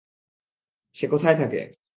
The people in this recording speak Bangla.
সে কোথায় থাকে?